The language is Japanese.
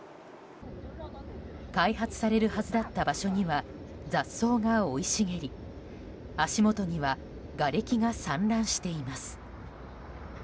開発されるはずだった場所には雑草が生い茂り足元にはがれきが散乱しています。